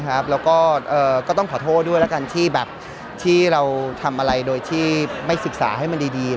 แล้วก็ต้องขอโทษด้วยแล้วกันที่เราทำอะไรโดยที่ไม่ศึกษาให้มันดี